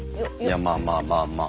いやまあまあまあまあ。